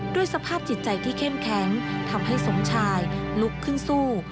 สภาพจิตใจที่เข้มแข็งทำให้สมชายลุกขึ้นสู้